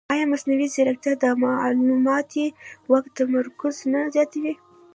ایا مصنوعي ځیرکتیا د معلوماتي واک تمرکز نه زیاتوي؟